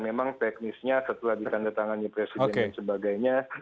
memang teknisnya setelah ditandatangani presiden dan sebagainya